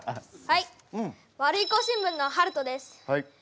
はいワルイコ新聞のはるとです。